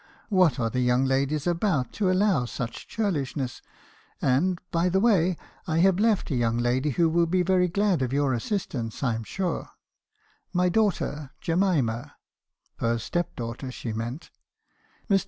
What are the young ladies about to allow such churlishness? And, by the way, I have left a young lady who will be very glad of your assistance , I am sure — my daughter, Jemima (her step daugh ter, she meant). Mr.